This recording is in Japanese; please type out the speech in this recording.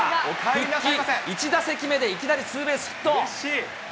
復帰１打席目でいきなりツーベースヒット。